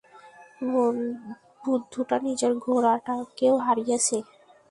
বুদ্ধুটা নিজের ঘোড়াকেও হারিয়েছে।